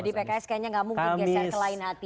jadi pks kayaknya gak mungkin geser kelain hati ya